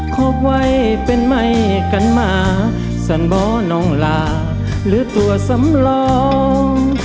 ขอบไว้เป็นไม่กันหมาสั่นบ่อน้องลาหรือตัวสำรอง